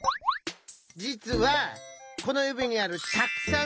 じつはこのゆびにあるたっくさん